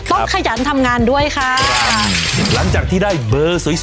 เอาใจนายเก่งได้โหได้เลย